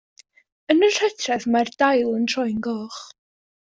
Yn yr hydref mae'r dail yn troi'n goch.